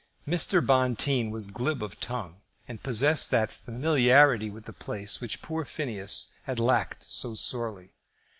Mr. Bonteen was glib of tongue and possessed that familiarity with the place which poor Phineas had lacked so sorely.